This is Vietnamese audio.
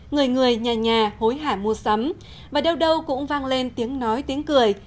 người người nhà nhà nhà hối hả mô sắm và đâu đâu cũng vang lên tiếng nói tiếng cười